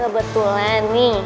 gak betulan nih